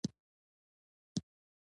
د اسلام دین مکمل رواج هغه مهال پیل شو.